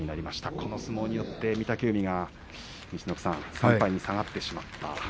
この相撲によって御嶽海が３敗に下がってしまいました。